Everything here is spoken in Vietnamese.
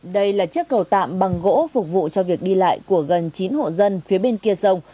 đây là chiếc cầu tạm bằng gỗ phục vụ cho việc đi lại của gần chín hộ dân phía bên kia sông